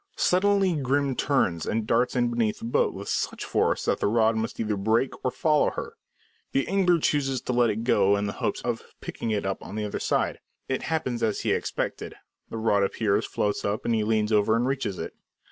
Suddenly Grim turns and darts in beneath the boat with such force that the rod must either break or follow her. The angler chooses to let it go in the hope of picking it up on the other side. It happens as he expected: the rod appears, floats up; he leans over and reaches it.